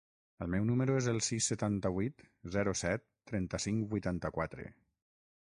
El meu número es el sis, setanta-vuit, zero, set, trenta-cinc, vuitanta-quatre.